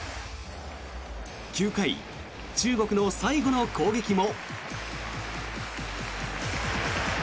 ９回、中国の最後の攻撃も。